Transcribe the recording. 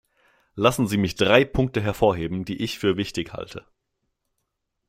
Lassen Sie mich drei Punkte hervorheben, die ich für wichtig halte.